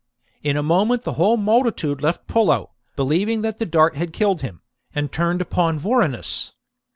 In a moment the whole multitude left Pullo, believing that the dart had killed him, and turned upon Vorenus.